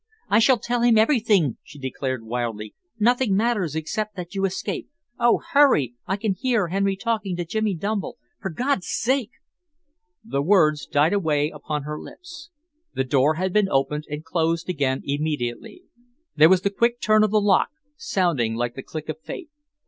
"I shall tell him everything," she declared wildly. "Nothing matters except that you escape. Oh, hurry! I can hear Henry talking to Jimmy Dumble for God's sake " The words died away upon her lips. The door had been opened and closed again immediately. There was the quick turn of the lock, sounding like the click of fate.